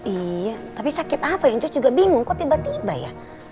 iya tapi sakit apa ya incus juga bingung kok tiba tiba ya